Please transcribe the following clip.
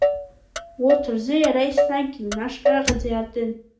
Урҭ рзы иара еснагь иҩнашә ҟьаҟьаӡа иаартын.